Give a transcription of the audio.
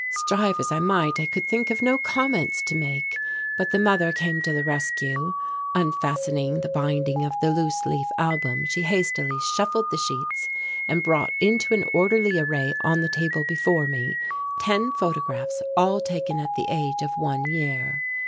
Strive as I might I could think of no comments to make, but the mother came to the rescue. Unfastening the binding of the loose leaf album she hastily shuffled the sheets and brought into an orderly array on the table before me ten photographs all taken at the age of one year.